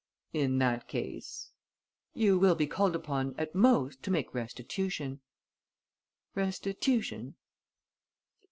"In that case?" "You will be called upon at most to make restitution." "Restitution?"